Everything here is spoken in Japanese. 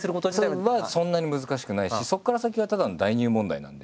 それはそんなに難しくないしそこから先はただの代入問題なんで。